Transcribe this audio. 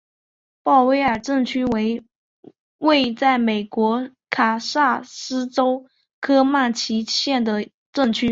鲍威尔镇区为位在美国堪萨斯州科曼奇县的镇区。